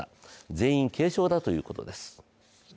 全員軽傷だということです。